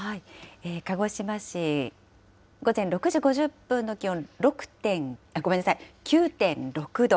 鹿児島市、午前６時５０分の気温９．６度。